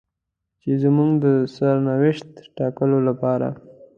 چې زموږ د سرنوشت ټاکلو لپاره.